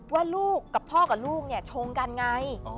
ว่าลูกกับพ่อกับลูกเนี่ยชงกันไง